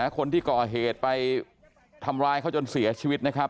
คนที่ก่อเหตุไปทำร้ายเขาจนเสียชีวิตนะครับ